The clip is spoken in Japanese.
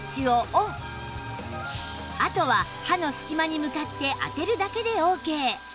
あとは歯の隙間に向かって当てるだけでオーケー